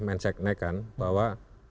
mensaik nekan bahwa